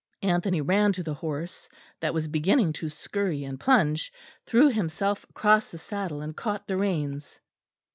Anthony ran to the horse, that was beginning to scurry and plunge; threw himself across the saddle and caught the reins.